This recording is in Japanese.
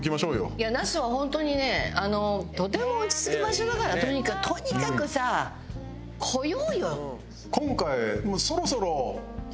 いや那須は本当にねとても落ち着く場所だからとにかくとにかくさ来ようよ。